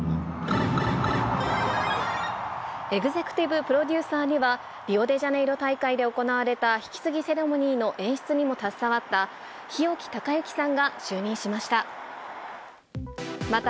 エグゼクティブプロデューサーには、リオデジャネイロ大会で行われた引き継ぎセレモニーの演出にも携わった日置貴之さんが就任しました。